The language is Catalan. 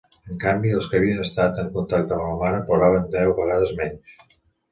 En canvi, els que havien estat en contacte amb la mare ploraven deu vegades menys.